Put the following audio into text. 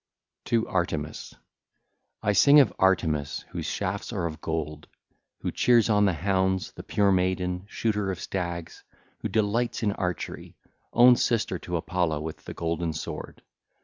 XXVII. TO ARTEMIS (ll. 1 20) I sing of Artemis, whose shafts are of gold, who cheers on the hounds, the pure maiden, shooter of stags, who delights in archery, own sister to Apollo with the golden sword.